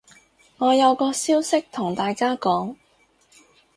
我有個消息同大家講